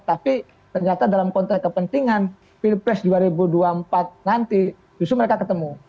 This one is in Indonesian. tapi ternyata dalam konteks kepentingan pilpres dua ribu dua puluh empat nanti justru mereka ketemu